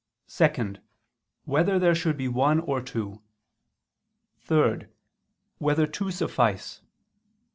(2) Whether there should be one or two? (3) Whether two suffice?